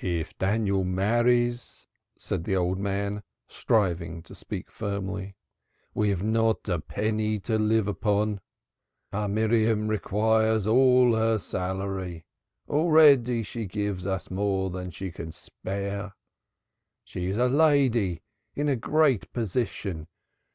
"If Daniel marries," said the old man, striving to speak firmly, "we have not a penny to live upon. Our Miriam requires all her salary. Already she gives us more than she can spare. She is a lady, in a great position.